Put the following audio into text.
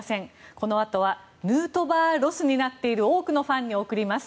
このあとはヌートバーロスになっている多くのファンに贈ります。